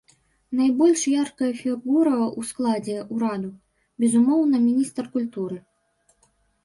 Найбольш яркая фігура ў складзе ўраду, безумоўна, міністр культуры.